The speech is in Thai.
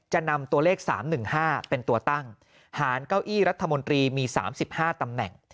จะนำตัวเลข๓๑๕เป็นตัวตั้งหารเก้าอี้รัฐมนตรีมี๓๕ตำแหน่ง